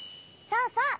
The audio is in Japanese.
そうそう！